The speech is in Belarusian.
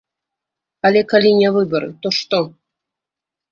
Але калі не выбары, то што?